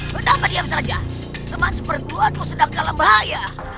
kenapa diam saja teman seperguluanmu sedang dalam bahaya